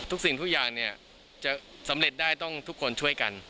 สิ่งทุกอย่างเนี่ยจะสำเร็จได้ต้องทุกคนช่วยกัน